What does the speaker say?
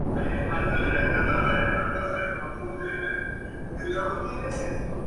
Reynolds pintó de manera más idealizada que aquel.